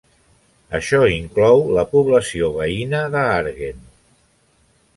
Això inclou la població veïna de Hargen.